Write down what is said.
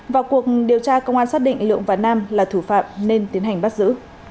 vào cuộc điều tra công an xác định lượng và nam là thủ phạm nên tiến hành bắt giữ